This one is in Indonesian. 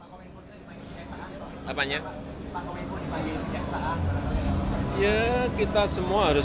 pemerintah provinsi sumatera utara jalan wilam iskandar kabupaten diri serbaguna parikabi siang